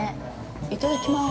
いただきます。